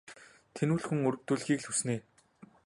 Тэнэмэл хүн өрөвдүүлэхийг л хүснэ ээ.